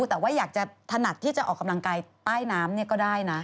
แต่ว่าอยากจะถนัดที่จะออกกำลังกายใต้น้ำก็ได้นะ